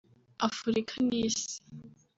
Afurika n’isi